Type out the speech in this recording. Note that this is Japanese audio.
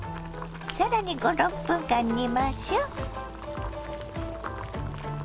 更に５６分間煮ましょ。